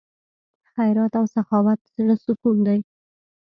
خیرات او سخاوت د زړه سکون دی.